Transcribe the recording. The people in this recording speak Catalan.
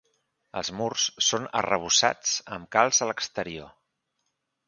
Els murs són arrebossats amb calç a l'exterior.